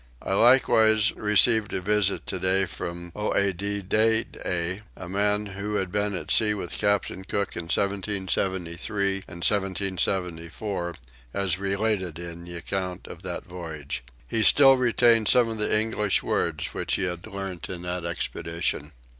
I likewise received a visit today from Oedidee, the man who had been at sea with Captain Cook in 1773 and 1774, as related in the account of that voyage. He still retained some of the English words which he had learnt in that expedition.